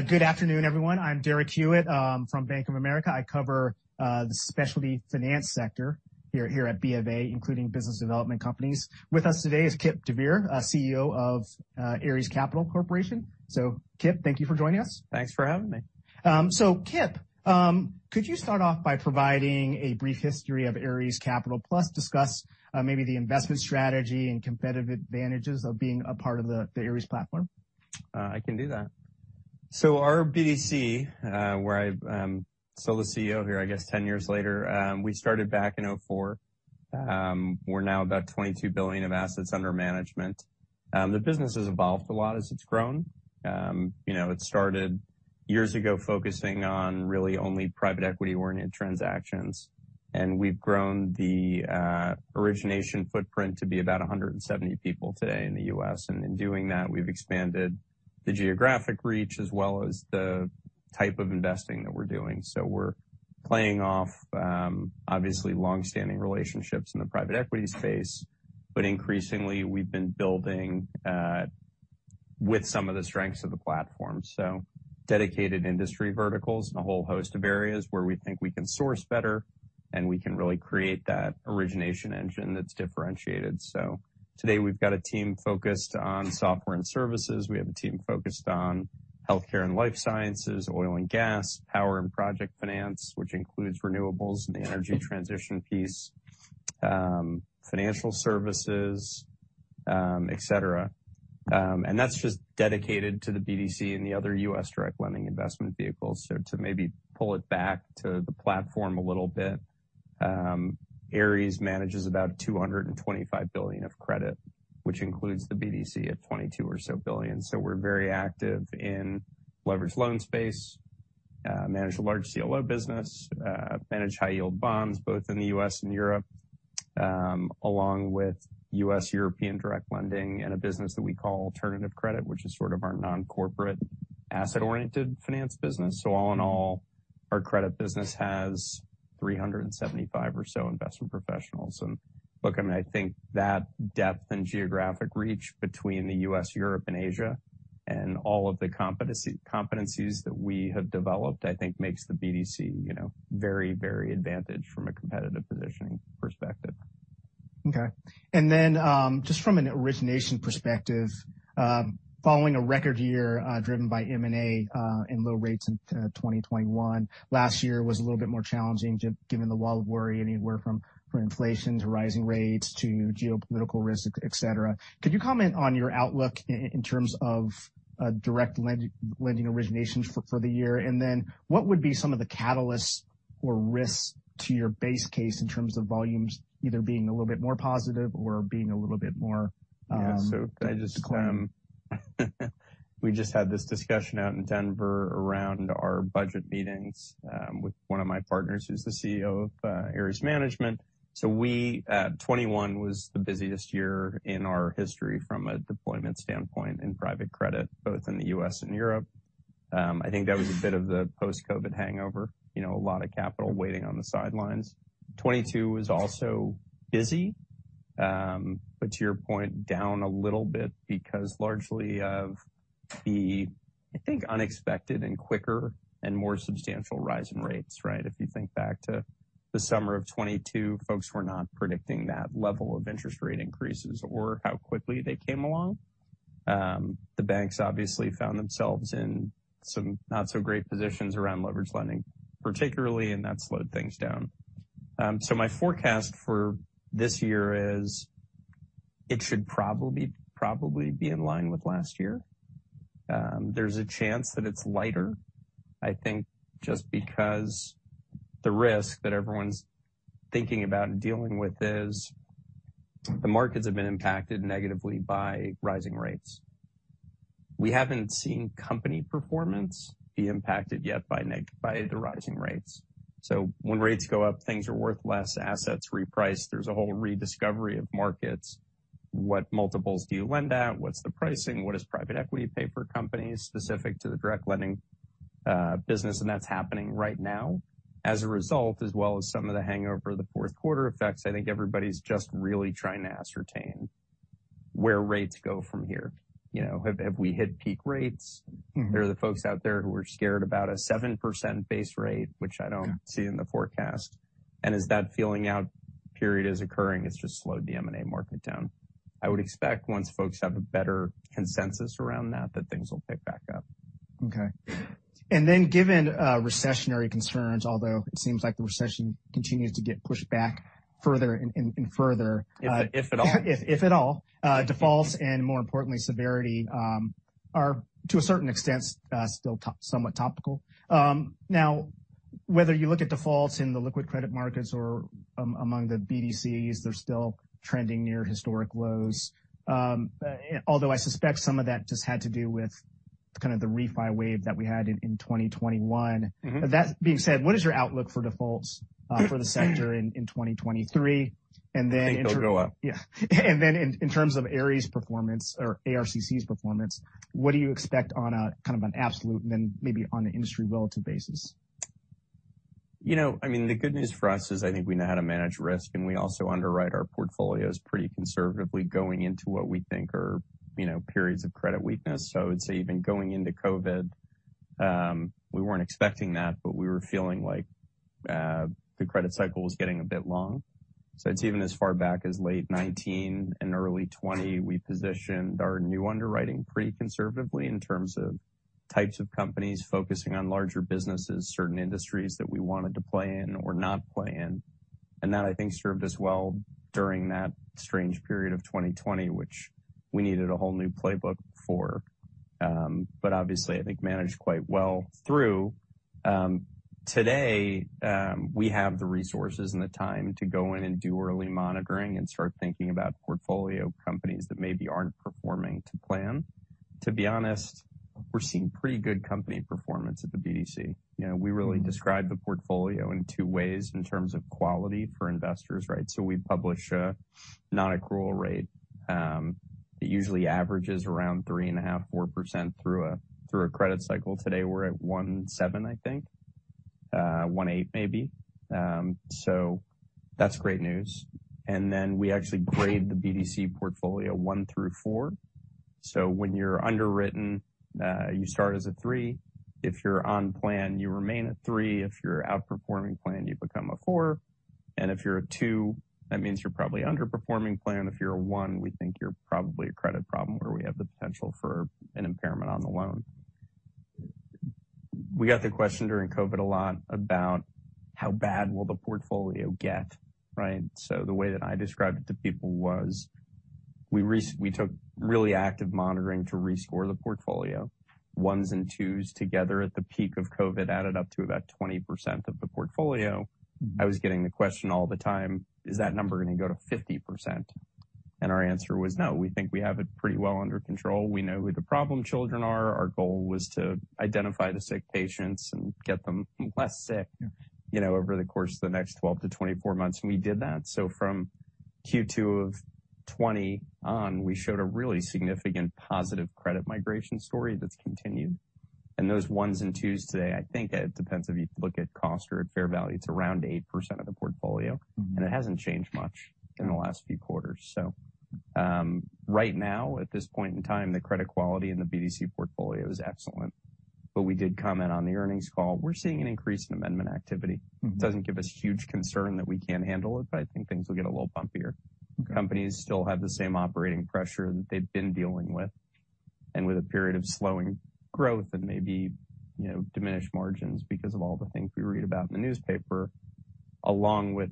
Good afternoon, everyone. I'm Derek Hewett from Bank of America. I cover the specialty finance sector here at BofA, including business development companies. With us today is Kipp deVeer, CEO of Ares Capital Corporation. Kipp, thank you for joining us. Thanks for having me. Kipp, could you start off by providing a brief history of Ares Capital, plus discuss, maybe the investment strategy and competitive advantages of being a part of the Ares platform? I can do that. Our BDC, where I'm still the CEO here, I guess 10 years later, we started back in 2004. We're now about $22 billion of assets under management. The business has evolved a lot as it's grown. You know, it started years ago, focusing on really only private equity-oriented transactions, and we've grown the origination footprint to be about 170 people today in the U.S. In doing that, we've expanded the geographic reach as well as the type of investing that we're doing. We're playing off, obviously long-standing relationships in the private equity space. Increasingly we've been building with some of the strengths of the platform, so dedicated industry verticals in a whole host of areas where we think we can source better, and we can really create that origination engine that's differentiated. Today we've got a team focused on software and services. We have a team focused on healthcare and life sciences, oil and gas, power and project finance, which includes renewables and the energy transition piece, financial services, et cetera. That's just dedicated to the BDC and the other U.S. direct lending investment vehicles. To maybe pull it back to the platform a little bit, Ares manages about $225 billion of credit, which includes the BDC at $22 or so billion. We're very active in leverage loan space, manage a large CLO business, manage high yield bonds both in the US and Europe, along with US-European direct lending in a business that we call alternative credit, which is sort of our non-corporate asset-oriented finance business. All in all, our credit business has 375 or so investment professionals. Look, I mean, I think that depth and geographic reach between the US, Europe, and Asia, and all of the competencies that we have developed, I think makes the BDC, you know, very, very advantaged from a competitive positioning perspective. Okay. Just from an origination perspective, following a record year, driven by M&A, and low rates in 2021, last year was a little bit more challenging given the wall of worry, anywhere from inflation to rising rates to geopolitical risk, et cetera. Could you comment on your outlook in terms of direct lending originations for the year? What would be some of the catalysts or risks to your base case in terms of volumes either being a little bit more positive or being a little bit more? Yeah. We just had this discussion out in Denver around our budget meetings with one of my partners who's the CEO of Ares Management. We, 21 was the busiest year in our history from a deployment standpoint in private credit, both in the U.S. and Europe. I think that was a bit of the post-COVID hangover, you know, a lot of capital waiting on the sidelines. 22 was also busy, but to your point, down a little bit because largely of the, I think, unexpected and quicker and more substantial rise in rates, right? If you think back to the summer of 2022, folks were not predicting that level of interest rate increases or how quickly they came along. The banks obviously found themselves in some not so great positions around leverage lending particularly, and that slowed things down. My forecast for this year is it should probably be in line with last year. There's a chance that it's lighter, I think just because the risk that everyone's thinking about and dealing with is the markets have been impacted negatively by rising rates. We haven't seen company performance be impacted yet by the rising rates. When rates go up, things are worth less, assets reprice. There's a whole rediscovery of markets. What multiples do you lend at? What's the pricing? What does private equity pay for companies specific to the direct lending business? That's happening right now. As a result, as well as some of the hangover, theQ4 effects, I think everybody's just really trying to ascertain where rates go from here. You know, have we hit peak rates? Mm-hmm. There are the folks out there who are scared about a 7% base rate, which I don't see in the forecast. As that feeling out period is occurring, it's just slowed the M&A market down. I would expect once folks have a better consensus around that things will pick back up. Okay. Given recessionary concerns, although it seems like the recession continues to get pushed back further and further. If at all. If at all. Defaults, and more importantly, severity, are to a certain extent, still top-somewhat topical. Whether you look at defaults in the liquid credit markets or among the BDCs, they're still trending near historic lows. Although I suspect some of that just had to do with kind of the refi wave that we had in 2021. Mm-hmm. That being said, what is your outlook for defaults, for the sector in 2023? I think they'll go up. Yeah. In terms of Ares performance or ARCC's performance, what do you expect on a kind of an absolute and then maybe on an industry relative basis? You know, I mean, the good news for us is I think we know how to manage risk, and we also underwrite our portfolios pretty conservatively going into what we think are, you know, periods of credit weakness. I would say even going into COVID, we weren't expecting that, but we were feeling like, the credit cycle was getting a bit long. It's even as far back as late 2019 and early 2020, we positioned our new underwriting pretty conservatively in terms of types of companies focusing on larger businesses, certain industries that we wanted to play in or not play in. That, I think, served us well during that strange period of 2020, which we needed a whole new playbook for, but obviously, I think, managed quite well through. Today, we have the resources and the time to go in and do early monitoring and start thinking about portfolio companies that maybe aren't performing to plan. To be honest, we're seeing pretty good company performance at the BDC. You know, we really describe the portfolio in two ways in terms of quality for investors, right? We publish a non-accrual rate that usually averages around 3.5%, 4% through a credit cycle. Today, we're at 1.7%, I think, 1.8% maybe. That's great news. We actually grade the BDC portfolio 1 through 4. When you're underwritten, you start as a 3. If you're on plan, you remain a 3. If you're outperforming plan, you become a 4. If you're a 2, that means you're probably underperforming plan. If you're a one, we think you're probably a credit problem where we have the potential for an impairment on the loan. We got the question during COVID a lot about how bad will the portfolio get, right? The way that I described it to people was we took really active monitoring to rescore the portfolio. Ones and twos together at the peak of COVID added up to about 20% of the portfolio. I was getting the question all the time, is that number gonna go to 50%? Our answer was no. We think we have it pretty well under control. We know who the problem children are. Our goal was to identify the sick patients and get them less sick, you know, over the course of the next 12-24 months. We did that. From Q2 of 2020 on, we showed a really significant positive credit migration story that's continued. Those ones and twos today, I think it depends if you look at cost or at fair value, it's around 8% of the portfolio, and it hasn't changed much in the last few quarters. Right now, at this point in time, the credit quality in the BDC portfolio is excellent. We did comment on the earnings call. We're seeing an increase in amendment activity. Doesn't give us huge concern that we can't handle it, but I think things will get a little bumpier. Companies still have the same operating pressure that they've been dealing with. With a period of slowing growth and maybe, you know, diminished margins because of all the things we read about in the newspaper, along with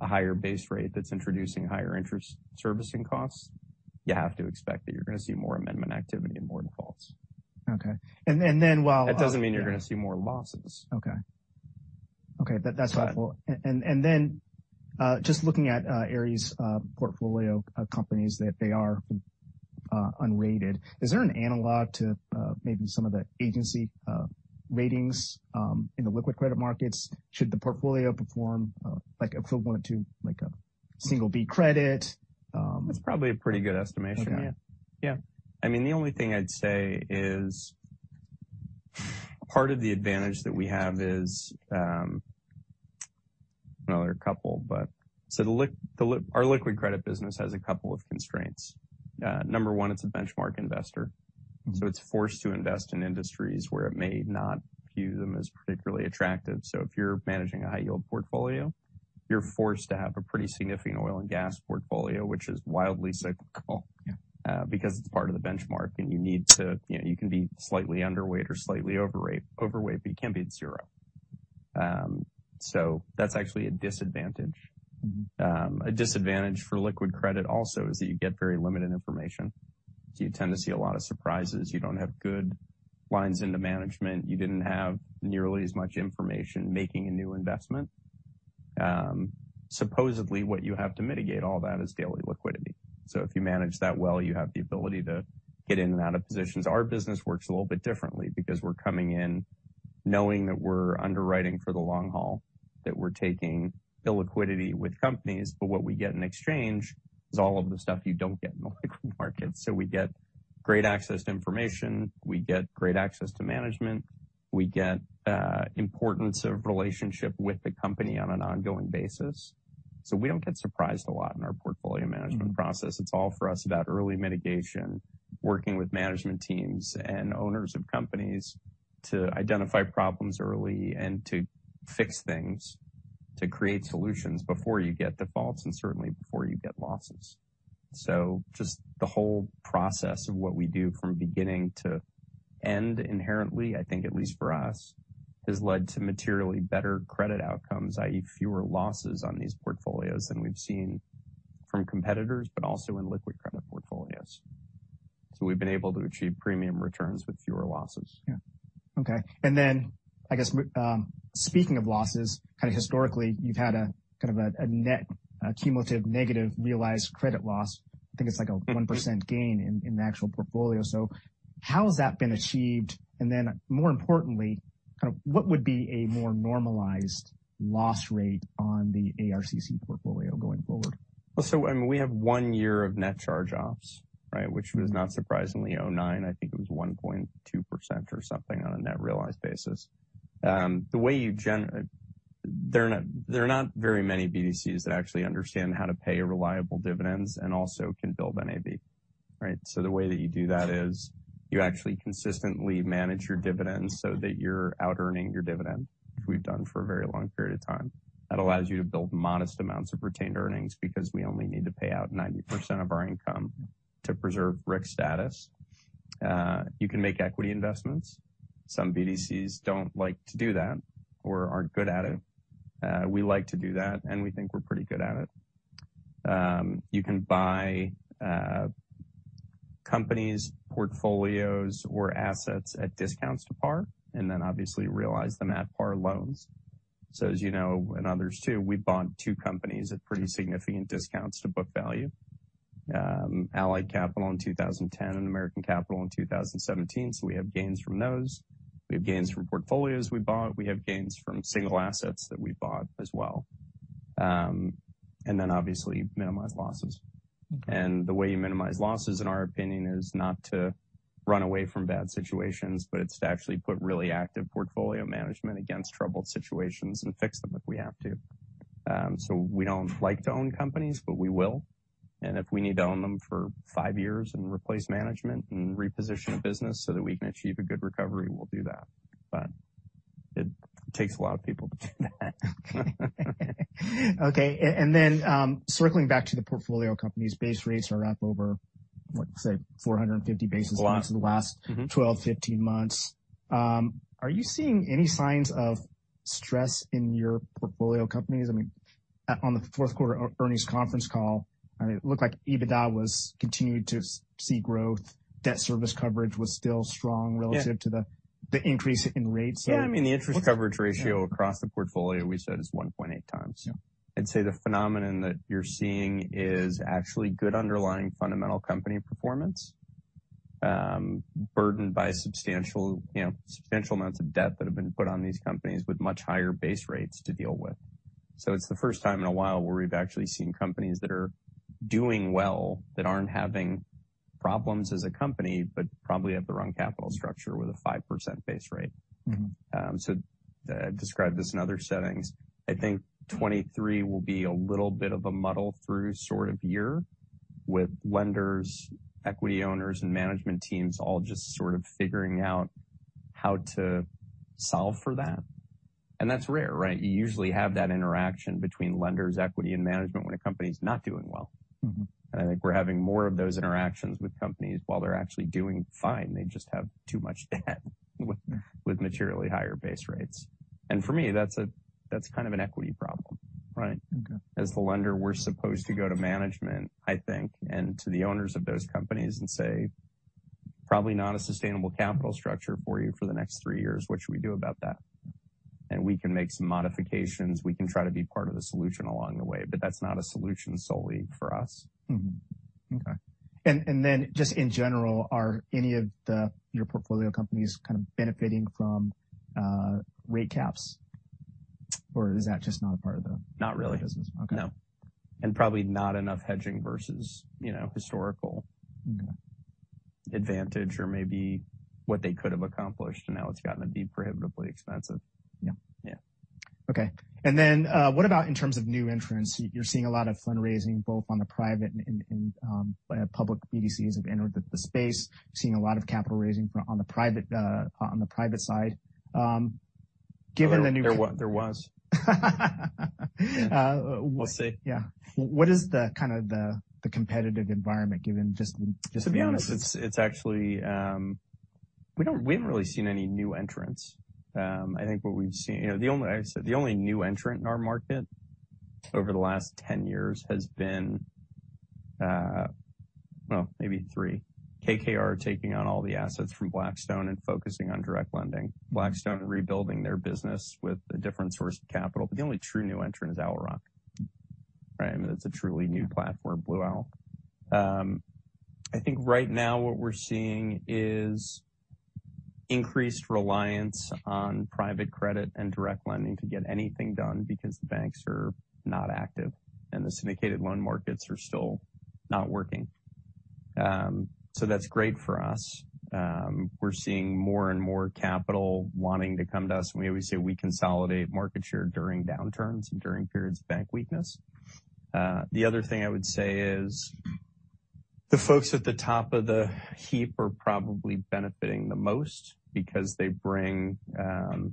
a higher base rate that's introducing higher interest servicing costs, you have to expect that you're gonna see more amendment activity and more defaults. Okay. That doesn't mean you're gonna see more losses. Okay. That's helpful. Then, just looking at Ares' portfolio companies that they are unrated, is there an analog to maybe some of the agency ratings in the liquid credit markets? Should the portfolio perform like equivalent to like a single B credit? That's probably a pretty good estimation. Yeah. Yeah. I mean, the only thing I'd say is part of the advantage that we have is, well, there are a couple, but. Our liquid credit business has a couple of constraints. Number one, it's a benchmark investor, so it's forced to invest in industries where it may not view them as particularly attractive. If you're managing a high yield portfolio, you're forced to have a pretty significant oil and gas portfolio, which is wildly cyclical, because it's part of the benchmark, and you need to. You know, you can be slightly underweight or slightly overweight, but you can't be at zero. That's actually a disadvantage. A disadvantage for liquid credit also is that you get very limited information. You tend to see a lot of surprises. You don't have good lines into management. You didn't have nearly as much information making a new investment. Supposedly, what you have to mitigate all that is daily liquidity. If you manage that well, you have the ability to get in and out of positions. Our business works a little bit differently because we're coming in knowing that we're underwriting for the long haul, that we're taking illiquidity with companies. What we get in exchange is all of the stuff you don't get in the liquid market. We get great access to information, we get great access to management, we get importance of relationship with the company on an ongoing basis. We don't get surprised a lot in our portfolio management process. It's all for us about early mitigation, working with management teams and owners of companies to identify problems early and to fix things, to create solutions before you get defaults and certainly before you get losses. Just the whole process of what we do from beginning to end, inherently, I think at least for us, has led to materially better credit outcomes, i.e., fewer losses on these portfolios than we've seen from competitors, but also in liquid credit portfolios. We've been able to achieve premium returns with fewer losses. Yeah. Okay. I guess, speaking of losses, kind of historically, you've had kind of a net cumulative negative realized credit loss. I think it's like a 1% gain in the actual portfolio. How has that been achieved? More importantly, kind of what would be a more normalized loss rate on the ARCC portfolio going forward? I mean, we have 1 year of net charge-offs, right? Which was not surprisingly, 2009, I think it was 1.2% or something on a net realized basis. There are not very many BDCs that actually understand how to pay reliable dividends and also can build NAV, right? The way that you do that is you actually consistently manage your dividends so that you're out-earning your dividend, which we've done for a very long period of time. That allows you to build modest amounts of retained earnings because we only need to pay out 90% of our income to preserve RIC status. You can make equity investments. Some BDCs don't like to do that or aren't good at it. We like to do that, and we think we're pretty good at it. You can buy companies' portfolios or assets at discounts to par and then obviously realize them at par loans. As you know, and others too, we bought two companies at pretty significant discounts to book value. Allied Capital in 2010 and American Capital in 2017. We have gains from those. We have gains from portfolios we bought. We have gains from single assets that we bought as well. Then obviously minimize losses. The way you minimize losses, in our opinion, is not to run away from bad situations, but it's to actually put really active portfolio management against troubled situations and fix them if we have to. We don't like to own companies, but we will. If we need to own them for five years and replace management and reposition a business so that we can achieve a good recovery, we'll do that. It takes a lot of people to do that. Okay. circling back to the portfolio companies, base rates are up over, what, say 450 basis points. A lot. in the last Mm-hmm. 12, 15 months. Are you seeing any signs of stress in your portfolio companies? I mean, on theQ4 earnings conference call, I mean, it looked like EBITDA was continued to see growth. Debt service coverage was still strong relative. Yeah. To the increase in rates. Yeah, I mean, the interest coverage ratio across the portfolio we said is 1.8 times. Yeah. I'd say the phenomenon that you're seeing is actually good underlying fundamental company performance, burdened by substantial, you know, substantial amounts of debt that have been put on these companies with much higher base rates to deal with. It's the first time in a while where we've actually seen companies that are doing well, that aren't having problems as a company, but probably have the wrong capital structure with a 5% base rate. Mm-hmm. I've described this in other settings. I think 2023 will be a little bit of a muddle through sort of year with lenders, equity owners, and management teams all just sort of figuring out how to solve for that. That's rare, right? You usually have that interaction between lenders, equity, and management when a company's not doing well. Mm-hmm. I think we're having more of those interactions with companies while they're actually doing fine. They just have too much debt with materially higher base rates. For me, that's a, that's kind of an equity problem, right? Okay. As the lender, we're supposed to go to management, I think, and to the owners of those companies and say, "Probably not a sustainable capital structure for you for the next three years. What should we do about that?" We can make some modifications. We can try to be part of the solution along the way, that's not a solution solely for us. Okay. Then just in general, are any of the, your portfolio companies kind of benefiting from, rate caps? Is that just not a part of. Not really. business. Okay. No. probably not enough hedging versus, you know, historical-. Okay. advantage or maybe what they could have accomplished, and now it's gotten to be prohibitively expensive. Yeah. Yeah. Okay. What about in terms of new entrants? You're seeing a lot of fundraising, both on the private and public BDCs have entered the space. You're seeing a lot of capital raising from, on the private, on the private side. Given the new. There was. Uh. We'll see. Yeah. What is the, kind of the competitive environment given just? To be honest, it's actually we haven't really seen any new entrants. I think what we've seen. You know, I said the only new entrant in our market over the last 10 years has been, well, maybe three. KKR taking on all the assets from Blackstone and focusing on direct lending. Blackstone rebuilding their business with a different source of capital. The only true new entrant is Owl Rock, right? I mean, that's a truly new platform, Blue Owl. I think right now what we're seeing is increased reliance on private credit and direct lending to get anything done because the banks are not active, and the syndicated loan markets are still not working. That's great for us. We're seeing more and more capital wanting to come to us, and we always say we consolidate market share during downturns and during periods of bank weakness. The other thing I would say is the folks at the top of the heap are probably benefiting the most because they bring the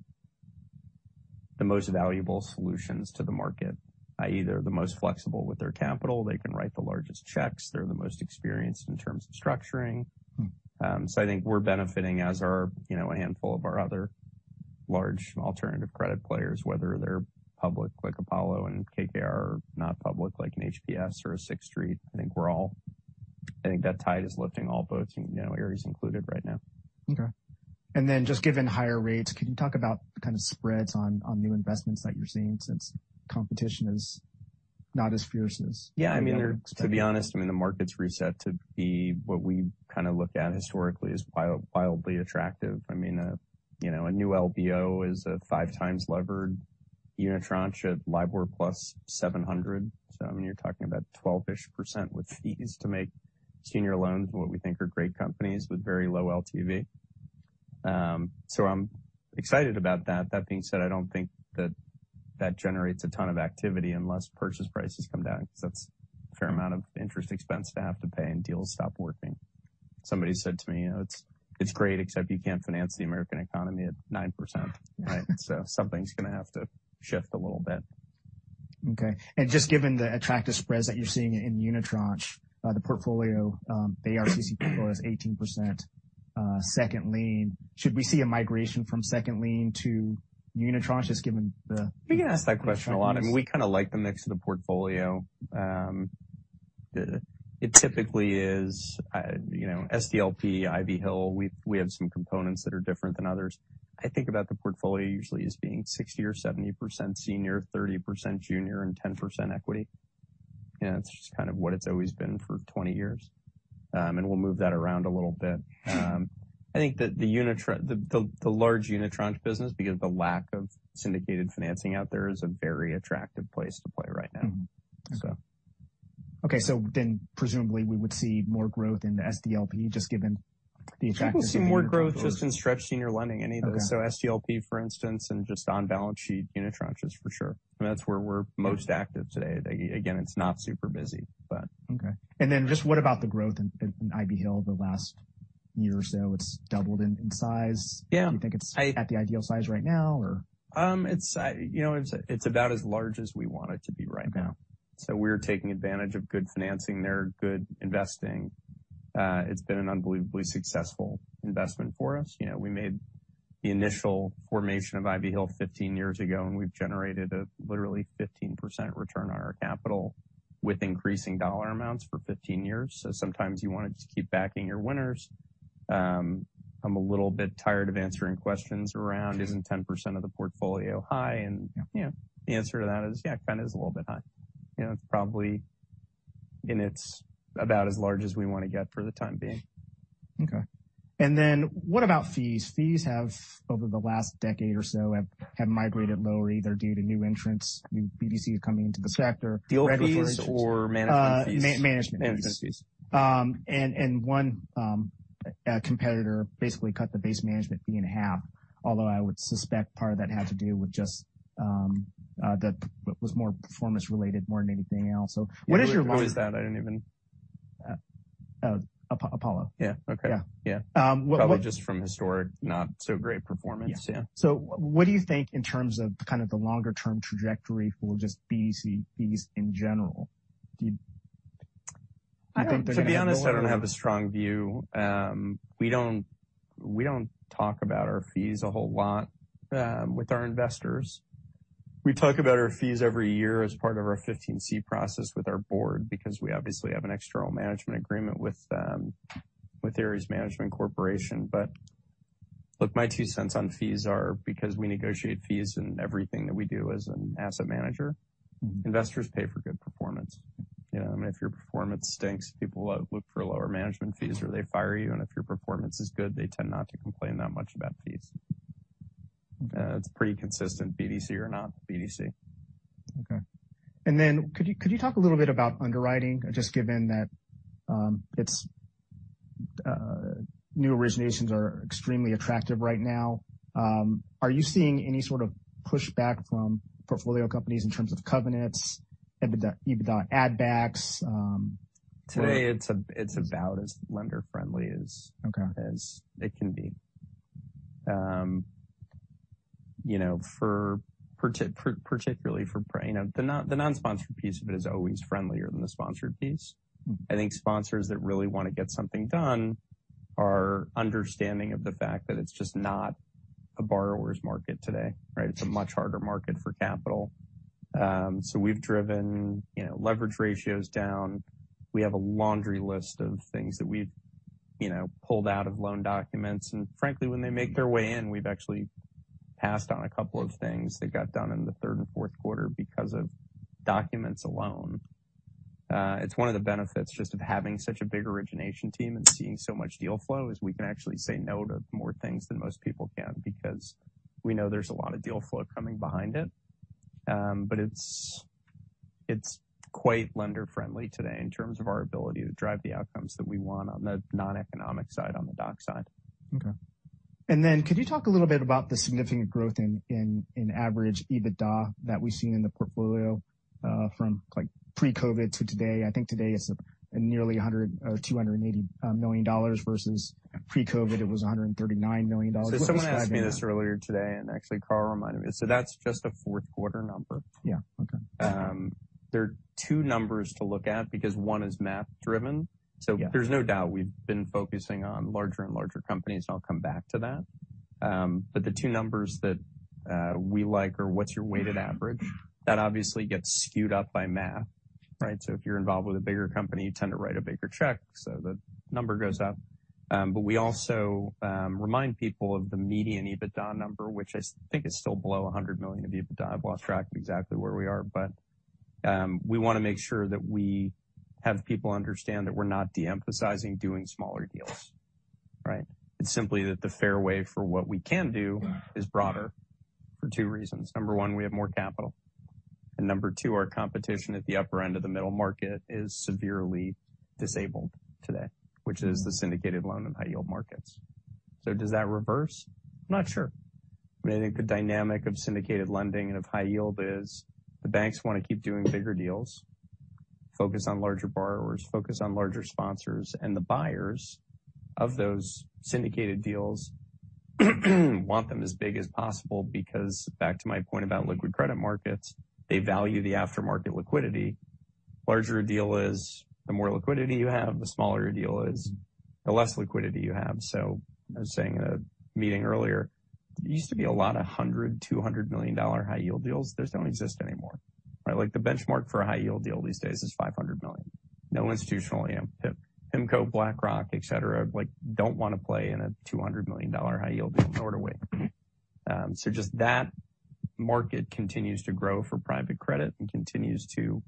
most valuable solutions to the market, i.e., they're the most flexible with their capital. They can write the largest checks. They're the most experienced in terms of structuring. I think we're benefiting as are, you know, a handful of our other large alternative credit players, whether they're public like Apollo and KKR, or not public like an HPS or a Sixth Street. I think that tide is lifting all boats, you know, Ares included right now. Okay. Then just given higher rates, can you talk about the kind of spreads on new investments that you're seeing since competition is not as fierce? Yeah, I mean. you would expect. To be honest, I mean, the market's reset to be what we kind of look at historically as wildly attractive. I mean, you know, a new LBO is a 5x levered unitranche at LIBOR plus 700. So I mean, you're talking about 12-ish% with fees to make senior loans in what we think are great companies with very low LTV. So I'm excited about that. That being said, I don't think that that generates a ton of activity unless purchase prices come down, because that's a fair amount of interest expense to have to pay, and deals stop working. Somebody said to me, you know, "It's great, except you can't finance the American economy at 9%. Right. Something's gonna have to shift a little bit. Okay. Just given the attractive spreads that you're seeing in unitranche, the portfolio, the ARCC portfolio is 18% second lien. Should we see a migration from second lien to unitranche? We get asked that question a lot. I mean, we kinda like the mix of the portfolio. It typically is, you know, SDLP, Ivy Hill. We, we have some components that are different than others. I think about the portfolio usually as being 60% or 70% senior, 30% junior, and 10% equity. You know, it's just kind of what it's always been for 20 years. We'll move that around a little bit. I think that the unitranche... the large unitranche business, because the lack of syndicated financing out there, is a very attractive place to play right now. Mm-hmm. Okay. Okay. Presumably we would see more growth in the SDLP just given the effect of the unitranche. We can see more growth just in stretched senior lending anyway. Okay. SDLP, for instance, and just on balance sheet unitranches for sure. I mean, that's where we're most active today. Again, it's not super busy, but. Okay. Just what about the growth in Ivy Hill the last year or so? It's doubled in size. Yeah. Do you think it's at the ideal size right now or? you know, it's about as large as we want it to be right now. We're taking advantage of good financing there, good investing. It's been an unbelievably successful investment for us. You know, we made the initial formation of Ivy Hill 15 years ago, and we've generated a literally 15% return on our capital with increasing dollar amounts for 15 years. Sometimes you wanna just keep backing your winners. I'm a little bit tired of answering questions around isn't 10% of the portfolio high? you know, the answer to that is, yeah, it kinda is a little bit high. You know, it's probably... it's about as large as we wanna get for the time being. Okay. What about fees? Fees have, over the last decade or so, migrated lower, either due to new entrants, new BDCs coming into the sector. Deal fees or management fees? Management fees. Management fees. One competitor basically cut the base management fee in half. Although I would suspect part of that had to do with just that was more performance related more than anything else. What is your- Who is that? I didn't even... Apollo. Yeah. Okay. Yeah. Yeah. Um, what, what- Probably just from historic not so great performance. Yeah. Yeah. what do you think in terms of kind of the longer term trajectory for just BDC fees in general? Do you think they're gonna. To be honest, I don't have a strong view. We don't talk about our fees a whole lot with our investors. We talk about our fees every year as part of our 15(c) process with our board, because we obviously have an external management agreement with Ares Management Corporation. Look, my two cents on fees are because we negotiate fees in everything that we do as an asset manager. Mm-hmm. Investors pay for good performance. You know, I mean, if your performance stinks, people look for lower management fees or they fire you. If your performance is good, they tend not to complain that much about fees. Okay. It's pretty consistent, BDC or not BDC. Okay. Then could you talk a little bit about underwriting? Just given that, it's, new originations are extremely attractive right now. Are you seeing any sort of pushback from portfolio companies in terms of covenants, EBITDA add backs? Today it's about as lender friendly. Okay... as it can be. you know, for particularly for, you know, the non-sponsored piece of it is always friendlier than the sponsored piece. Mm-hmm. I think sponsors that really wanna get something done are understanding of the fact that it's just not a borrower's market today, right? It's a much harder market for capital. We've driven, you know, leverage ratios down. We have a laundry list of things that we've, you know, pulled out of loan documents. Frankly, when they make their way in, we've actually passed on a couple of things that got done in the third andQ4 because of documents alone. It's one of the benefits just of having such a big origination team and seeing so much deal flow is we can actually say no to more things than most people can because we know there's a lot of deal flow coming behind it. It's, it's quite lender friendly today in terms of our ability to drive the outcomes that we want on the non-economic side, on the doc side. Okay. Could you talk a little bit about the significant growth in average EBITDA that we've seen in the portfolio, from like pre-COVID to today? I think today it's nearly $100 million or $280 million versus pre-COVID it was $139 million. Someone asked me this earlier today, and actually Carl reminded me. That's just aQ4 number. Yeah. Okay. There are two numbers to look at because one is math driven. Yeah. There's no doubt we've been focusing on larger and larger companies. I'll come back to that. The two numbers that we like are what's your weighted average. That obviously gets skewed up by math, right? If you're involved with a bigger company, you tend to write a bigger check. The number goes up. We also remind people of the median EBITDA number, which I think is still below $100 million of EBITDA. I've lost track of exactly where we are. We wanna make sure that we have people understand that we're not de-emphasizing doing smaller deals, right? It's simply that the fairway for what we can do is broader for two reasons. Number one, we have more capital. Number two, our competition at the upper end of the middle market is severely disabled today, which is the syndicated loan and high yield markets. Does that reverse? I'm not sure. I think the dynamic of syndicated lending and of high yield is the banks wanna keep doing bigger deals, focus on larger borrowers, focus on larger sponsors, and the buyers of those syndicated deals want them as big as possible because back to my point about liquid credit markets, they value the aftermarket liquidity. Larger a deal is, the more liquidity you have, the smaller a deal is, the less liquidity you have. I was saying in a meeting earlier, there used to be a lot of $100 million-$200 million high yield deals. Those don't exist anymore, right. Like the benchmark for a high yield deal these days is $500 million. No institutional AM, PIMCO, BlackRock, et cetera, like, don't wanna play in a $200 million high yield deal. No way. Just that market continues to grow for private credit and continues to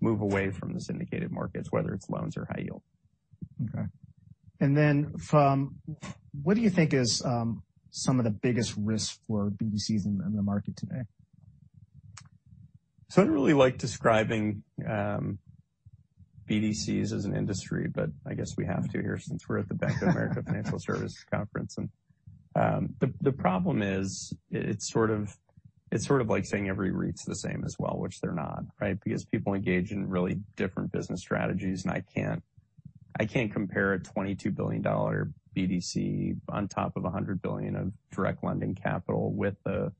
move away from the syndicated markets, whether it's loans or high yield. Okay. What do you think is some of the biggest risks for BDCs in the market today? I don't really like describing BDCs as an industry, but I guess we have to here since we're at the Bank of America Financial Services conference. The problem is it's sort of like saying every REITs the same as well, which they're not, right? People engage in really different business strategies, and I can't, I can't compare a $22 billion BDC on top of a $100 billion of direct lending capital with a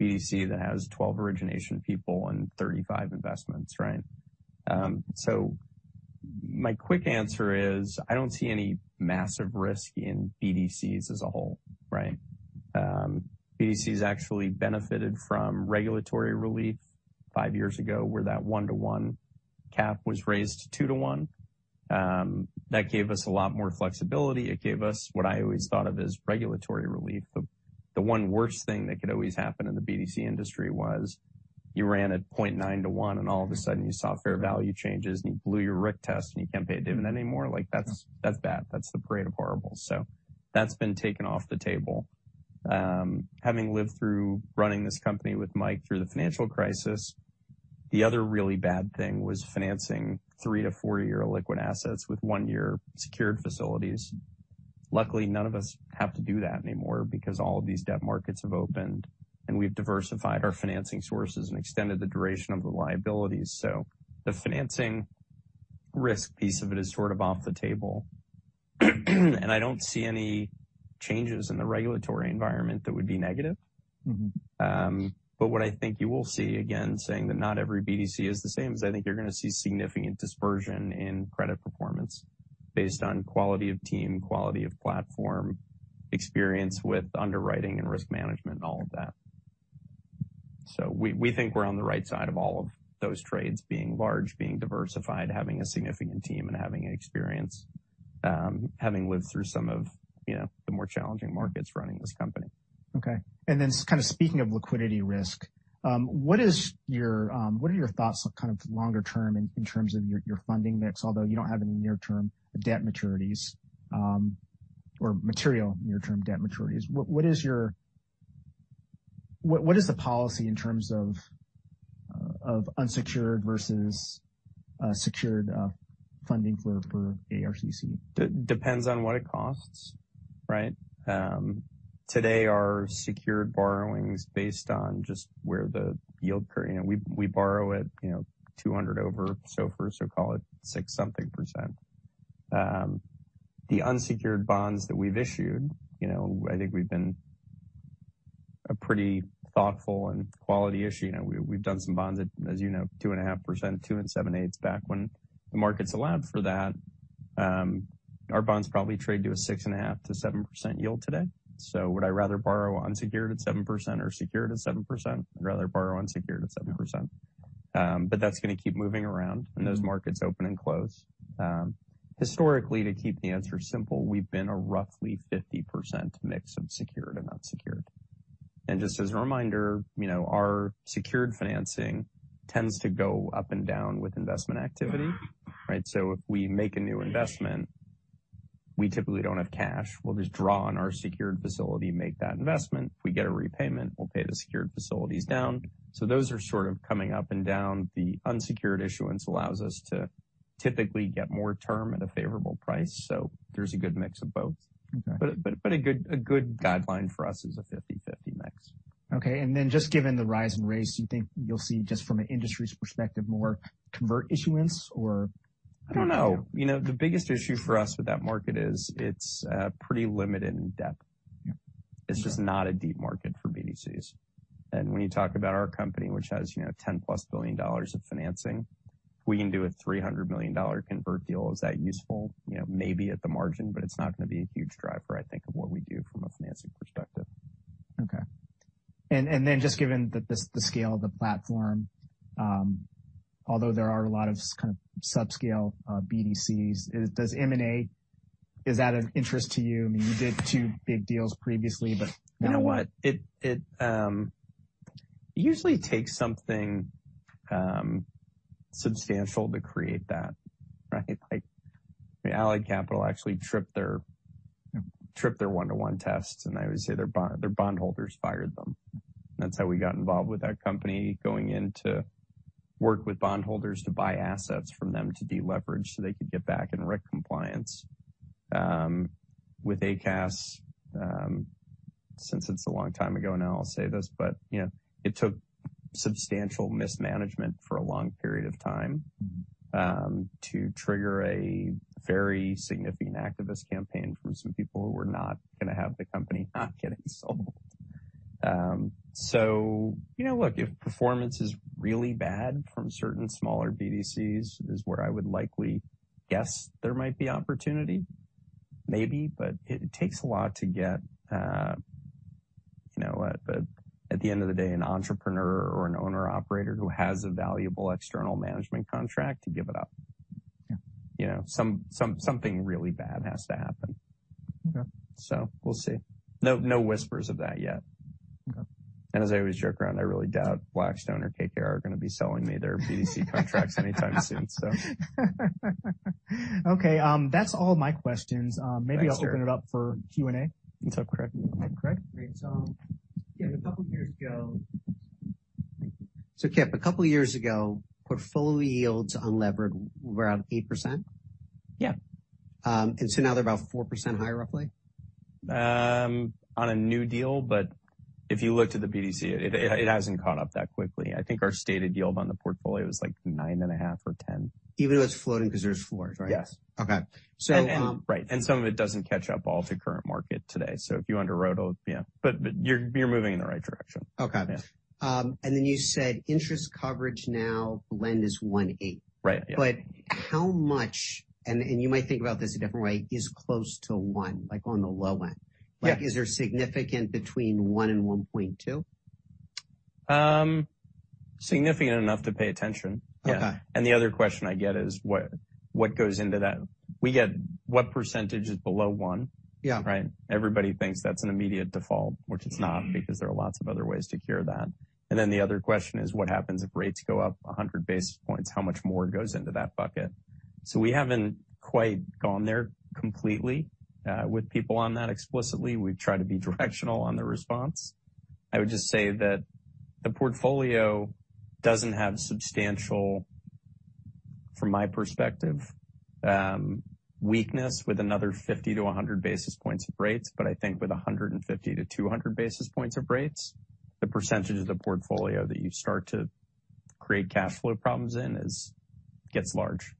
BDC that has 12 origination people and 35 investments, right? My quick answer is I don't see any massive risk in BDCs as a whole, right? BDCs actually benefited from regulatory relief 5 years ago, where that one-to-one cap was raised to two to one. That gave us a lot more flexibility. It gave us what I always thought of as regulatory relief. The one worst thing that could always happen in the BDC industry was you ran at 0.9 to 1, and all of a sudden you saw fair value changes, and you blew your RIC test, and you can't pay a dividend anymore. Like that's bad. That's the parade of horribles. That's been taken off the table. Having lived through running this company with Mike through the financial crisis, the other really bad thing was financing 3-4-year illiquid assets with 1-year secured facilities. Luckily, none of us have to do that anymore because all of these debt markets have opened, and we've diversified our financing sources and extended the duration of the liabilities. The financing risk piece of it is sort of off the table. And I don't see any changes in the regulatory environment that would be negative. Mm-hmm. What I think you will see, again, saying that not every BDC is the same, is I think you're gonna see significant dispersion in credit performance based on quality of team, quality of platform, experience with underwriting and risk management, and all of that. We think we're on the right side of all of those trades being large, being diversified, having a significant team, and having experience, having lived through some of, you know, the more challenging markets running this company. Okay. Kind of speaking of liquidity risk, what is your, what are your thoughts kind of longer term in terms of your funding mix? Although you don't have any near-term debt maturities, or material near-term debt maturities. What is your... What is the policy in terms of unsecured versus secured funding for ARCC? Depends on what it costs, right? Today our secured borrowing is based on just where the yield, you know, we borrow at, you know, 200 over, so call it 6-something%. The unsecured bonds that we've issued, you know, I think we've been a pretty thoughtful and quality issuer. You know, we've done some bonds at, as you know, 2.5%, 2.875% back when the markets allowed for that. Our bonds probably trade to a 6.5%-7% yield today. Would I rather borrow unsecured at 7% or secured at 7%? I'd rather borrow unsecured at 7%. That's gonna keep moving around. Mm-hmm. When those markets open and close. Historically, to keep the answer simple, we've been a roughly 50% mix of secured and unsecured. Just as a reminder, you know, our secured financing tends to go up and down with investment activity, right? If we make a new investment, we typically don't have cash. We'll just draw on our secured facility, make that investment. If we get a repayment, we'll pay the secured facilities down. Those are sort of coming up and down. The unsecured issuance allows us to typically get more term at a favorable price. There's a good mix of both. Okay. A good guideline for us is a 50/50 mix. Okay. Just given the rise in rates, do you think you'll see just from an industry's perspective, more convert issuance or-? I don't know. You know, the biggest issue for us with that market is it's pretty limited in depth. Yeah. It's just not a deep market for BDCs. When you talk about our company, which has, you know, 10+ billion dollars of financing, if we can do a $300 million convert deal, is that useful? You know, maybe at the margin, but it's not gonna be a huge driver, I think, of what we do from a financing perspective. Okay. Then just given the scale of the platform, although there are a lot of kind of subscale BDCs, Is that of interest to you? I mean, you did 2 big deals previously, but now what? You know what? It, it usually takes something substantial to create that, right? Like the Allied Capital actually tripped their one-to-one test, and I would say their bond holders fired them. That's how we got involved with that company, going in to work with bond holders to buy assets from them to deleverage so they could get back in RIC compliance. With ACAS, since it's a long time ago now, I'll say this, but, you know, it took substantial mismanagement for a long period of time to trigger a very significant activist campaign from some people who were not gonna have the company not getting sold. You know, look, if performance is really bad from certain smaller BDCs is where I would likely guess there might be opportunity, maybe. It takes a lot to get, you know, at the end of the day, an entrepreneur or an owner-operator who has a valuable external management contract to give it up. Yeah. You know, something really bad has to happen. Okay. We'll see. No, no whispers of that yet. Okay. As I always joke around, I really doubt Blackstone or KKR are gonna be selling me their BDC contracts anytime soon. Okay. That's all my questions. Maybe I'll open it up for Q&A. Craig. Craig. Great. Kip, a couple years ago, portfolio yields unlevered were around 8%. Yeah. Now they're about 4% higher, roughly? On a new deal, but if you looked at the BDC, it hasn't caught up that quickly. I think our stated yield on the portfolio is like 9.5% or 10%. Even though it's floating because there's floors, right? Yes. Okay. Right. Some of it doesn't catch up all to current market today. If you underwrote, yeah. You're moving in the right direction. Okay. Yeah. You said interest coverage now blend is 1.8. Right. Yeah. How much, and you might think about this a different way, is close to 1, like on the low end? Yeah. Like is there significant between 1 and 1.2? Significant enough to pay attention. Yeah. Okay. The other question I get is what goes into that? We get what % is below one. Yeah. Right? Everybody thinks that's an immediate default, which it's not, because there are lots of other ways to cure that. The other question is what happens if rates go up 100 basis points? How much more goes into that bucket? We haven't quite gone there completely with people on that explicitly. We've tried to be directional on the response. I would just say that the portfolio doesn't have substantial, from my perspective, weakness with another 50-100 basis points of rates. I think with 150-200 basis points of rates, the percentage of the portfolio that you start to create cash flow problems in gets large.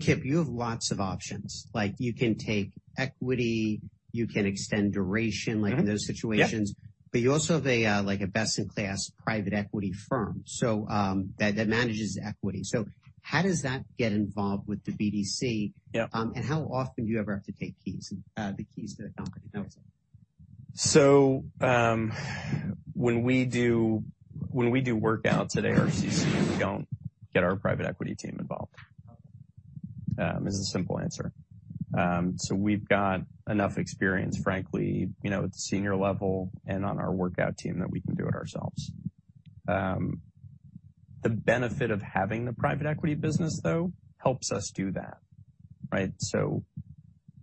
Kipp, you have lots of options. Like you can take equity, you can extend duration, like in those situations. Yeah. You also have a, like a best in class private equity firm, so, that manages equity. How does that get involved with the BDC? Yeah. How often do you ever have to take keys, the keys to the company? When we do, when we do workouts at ARCC, we don't get our private equity team involved. Is the simple answer. We've got enough experience, frankly, you know, at the senior level and on our workout team that we can do it ourselves. The benefit of having the private equity business though, helps us do that, right?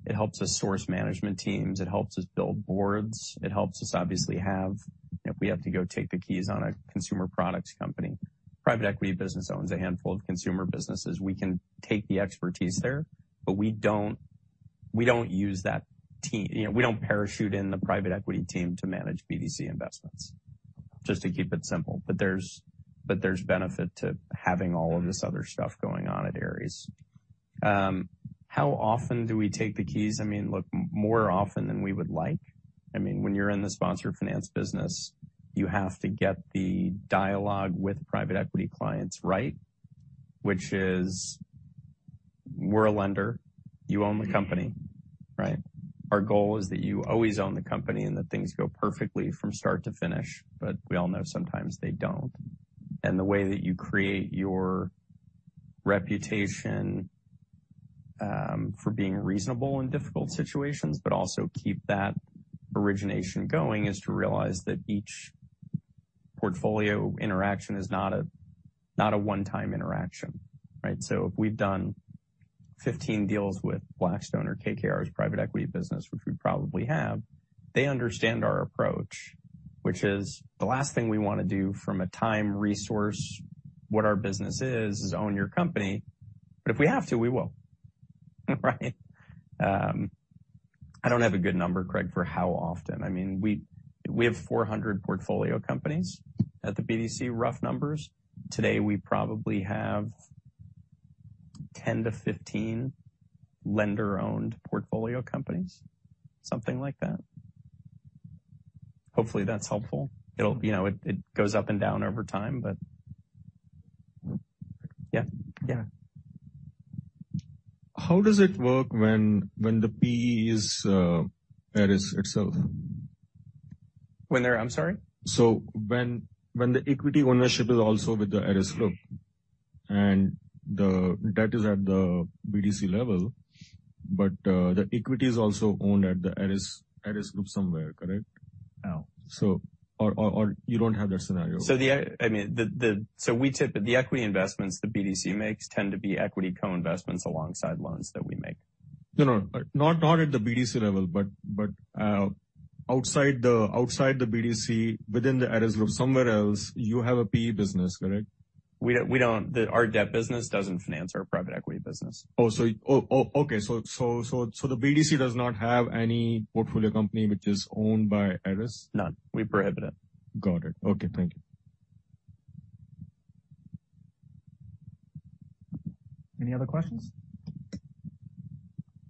It helps us source management teams. It helps us build boards. It helps us obviously have, if we have to go take the keys on a consumer products company. Private equity business owns a handful of consumer businesses. We can take the expertise there, we don't, we don't use that team. You know, we don't parachute in the private equity team to manage BDC investments. Just to keep it simple. There's benefit to having all of this other stuff going on at Ares. How often do we take the keys? I mean, look, more often than we would like. I mean, when you're in the sponsored finance business, you have to get the dialogue with private equity clients right, which is we're a lender. You own the company, right? Our goal is that you always own the company and that things go perfectly from start to finish. We all know sometimes they don't. The way that you create your reputation for being reasonable in difficult situations, but also keep that origination going, is to realize that each portfolio interaction is not a one-time interaction, right? If we've done 15 deals with Blackstone or KKR's private equity business, which we probably have, they understand our approach, which is the last thing we wanna do from a time resource, what our business is own your company. If we have to, we will. Right? I don't have a good number, Craig, for how often. I mean, we have 400 portfolio companies at the BDC, rough numbers. Today we probably have 10-15 lender-owned portfolio companies, something like that. Hopefully, that's helpful. It'll, you know, it goes up and down over time, but yeah. Yeah. How does it work when the PE is Ares itself? When they're... I'm sorry? When the equity ownership is also with the Ares Group and the debt is at the BDC level, but the equity is also owned at the Ares Group somewhere, correct? No. Or you don't have that scenario? We tip the equity investments the BDC makes tend to be equity co-investments alongside loans that we make. No. Not at the BDC level, but outside the BDC within the Ares Group, somewhere else you have a PE business, correct? Our debt business doesn't finance our private equity business. Okay. The BDC does not have any portfolio company which is owned by Ares? None. We prohibit it. Got it. Okay, thank you. Any other questions?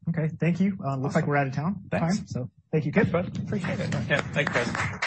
Okay, thank you. looks like we're out of town. Thanks. Thank you, Kip. Appreciate it. Yeah. Thank you, guys.